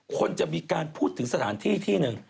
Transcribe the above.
คนจะมีการพูดถึงสถานที่ที่หนึ่ง